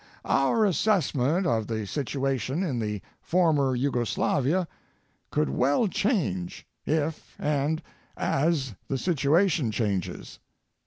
Our assessment of the situation in the former Yugoslavia could well change if and as the situation changes.